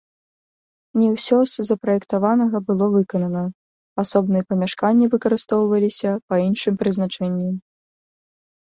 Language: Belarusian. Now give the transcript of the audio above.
Не ўсё з запраектаванага было выканана, асобныя памяшканні выкарыстоўваліся па іншым прызначэнні.